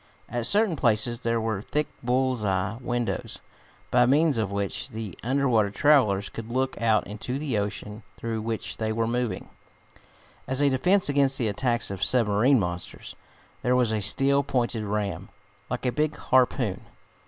At certain places there were thick bull's eye windows, by means of which the under water travelers could look out into the ocean through which they were moving. As a defense against the attacks of submarine monsters there was a steel, pointed ram, like a big harpoon.